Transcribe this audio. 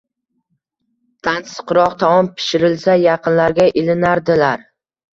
Tansiqroq taom pishirilsa, yaqinlarga ilinardilar.